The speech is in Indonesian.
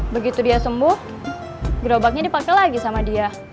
begitu dia sembuh gerobaknya dipakai lagi sama dia